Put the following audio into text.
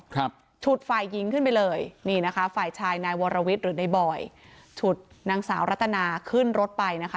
ฉุดฝ่ายหญิงขึ้นไปเลยนี่นะคะฝ่ายชายนายวรวิทย์หรือในบอยฉุดนางสาวรัตนาขึ้นรถไปนะคะ